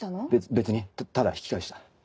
べ別にただ引き返した。